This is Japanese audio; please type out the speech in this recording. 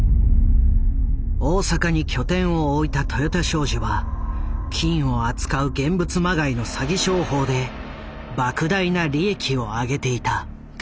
大阪に拠点を置いた豊田商事は金を扱う現物まがいの詐欺商法でばく大な利益をあげていた。